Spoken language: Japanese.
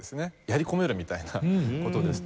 やり込めるみたいな事ですとか。